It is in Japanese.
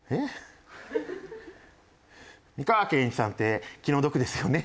美川憲一さんって気の毒ですよね。